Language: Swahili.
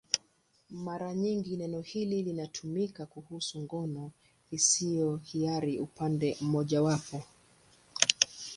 Mara nyingi neno hili linatumika kuhusu ngono isiyo ya hiari upande mmojawapo.